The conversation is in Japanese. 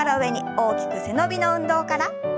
大きく背伸びの運動から。